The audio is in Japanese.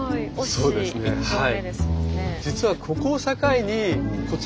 そうですねはい。